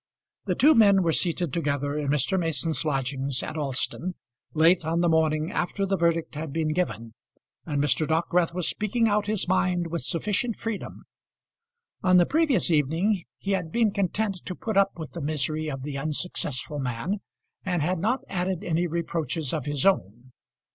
The two men were seated together in Mr. Mason's lodgings at Alston, late on the morning after the verdict had been given, and Mr. Dockwrath was speaking out his mind with sufficient freedom. On the previous evening he had been content to put up with the misery of the unsuccessful man, and had not added any reproaches of his own.